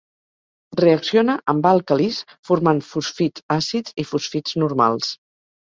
Reacciona amb àlcalis formant fosfits àcids i fosfits normals.